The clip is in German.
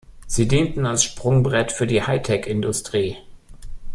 Sie dienten als Sprungbrett für die Hightech-Industrie.